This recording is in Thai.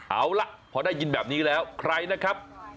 เอาล่ะพอได้ยินแบบนี้แล้วใครนะครับ